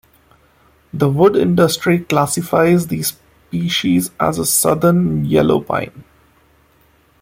The wood industry classifies the species as a southern yellow pine.